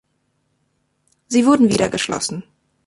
Sie wurden wieder geschlossen.